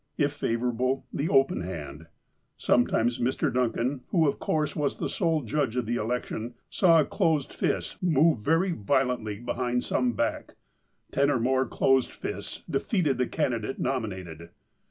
If favourable, the open hand. Sometimes Mr. Duncan, who of course was the sole judge of the election, saw a closed fist move very violently behind some back. Ten or more closed fists defeated the candidate nominated.